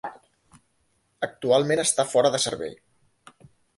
Actualment està fora de servei.